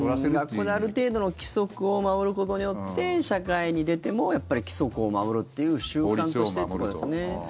学校で、ある程度の規則を守ることによって社会に出ても規則を守るっていう習慣としてということですよね。